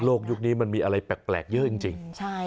ยุคนี้มันมีอะไรแปลกเยอะจริง